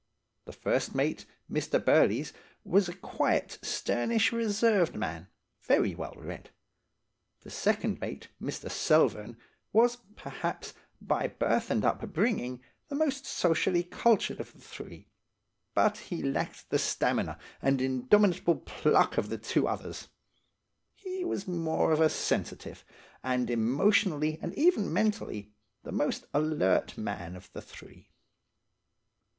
The first mate, Mr. Berlies, was a quiet, sternish, reserved man, very well read. The second mate, Mr. Selvern, was, perhaps, by birth and upbringing, the most socially cultured of the three, but he lacked the stamina and indomitable pluck of the two others. He was more of a sensitive, and emotionally and even mentally, the most alert man of the three.